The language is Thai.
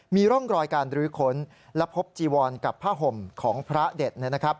มีร่องรอยการรื้อค้นและพบจีวอนกับผ้าห่มของพระเด็ด